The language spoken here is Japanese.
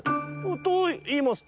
「といいますと？」。